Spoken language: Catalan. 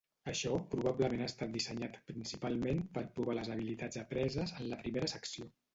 Això probablement ha estat dissenyat principalment per provar les habilitats apreses en la primera secció.